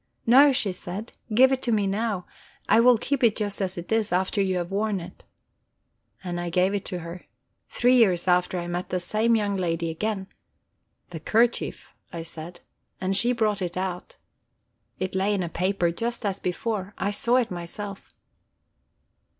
'No,' she said, 'give it to me now; I will keep it just as it is, after you have worn it.' And I gave it to her. Three years after, I met the same young lady again. 'The kerchief,' I said. And she brought it out. It lay in a paper, just as before; I saw it myself."